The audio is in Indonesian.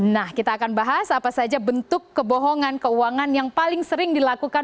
nah kita akan bahas apa saja bentuk kebohongan keuangan yang paling sering dilakukan